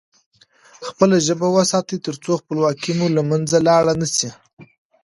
خپله ژبه وساتئ ترڅو خپلواکي مو له منځه لاړ نه سي.